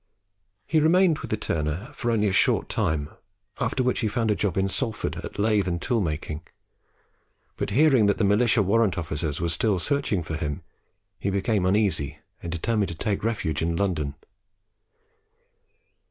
He remained with the turner for only a short time, after which he found a job in Salford at lathe and tool making. But hearing that the militia warrant officers were still searching for him, he became uneasy and determined to take refuge in London.